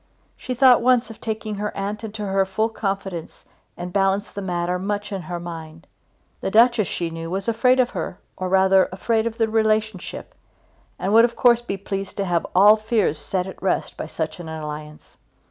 She thought once of taking her aunt into her full confidence and balanced the matter much in her mind. The Duchess, she knew, was afraid of her, or rather afraid of the relationship, and would of course be pleased to have all fears set at rest by such an alliance.